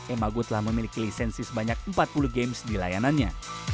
emago telah memiliki lisensi sebanyak empat puluh games di layanannya